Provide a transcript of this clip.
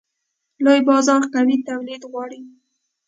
لوی بازار قوي تولید غواړي.